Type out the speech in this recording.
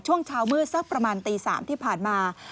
ช่วงเช้ามืดสักประมาณตี๓ที่ผ่านมา